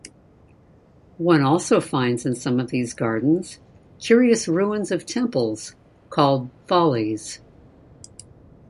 One also finds in some of these gardens-curious ruins of temples-called "follies".